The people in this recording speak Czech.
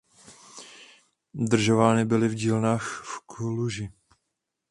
Udržovány byly v dílnách v Kluži.